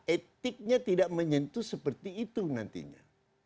etiknya tidak menyentuh seperti itu nantinya